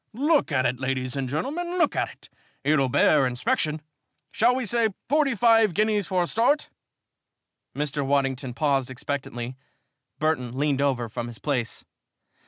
Look at it, ladies and gentlemen. Look at it. It'll bear inspection. Shall we say forty five guineas for a start?" Mr. Waddington paused expectantly. Burton leaned over from his place.